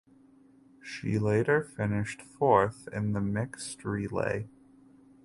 She later finished fourth in the mixed relay.